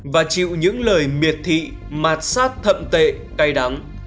và chịu những lời miệt thị mạt sát thậm tệ cay đắng